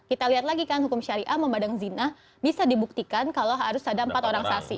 kita lihat lagi kan hukum syariah memandang zinah bisa dibuktikan kalau harus ada empat orang saksi